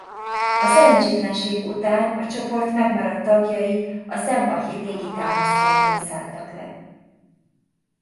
A szerencsétlenség után a csoport megmaradt tagjai a sembachi légi támaszponton szálltak le.